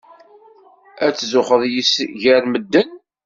Ad tzuxxeḍ yis-s gar medden.